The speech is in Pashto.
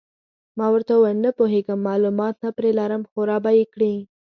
ما ورته وویل: نه پوهېږم، معلومات نه پرې لرم، خو را به یې کړي.